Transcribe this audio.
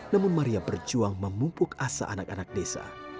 namun maria berjuang memumpuk asa anak anak desa